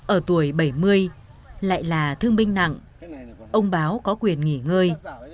ở tuổi bảy mươi lại là thương binh nặng ông báo có quyền nghỉ ngơi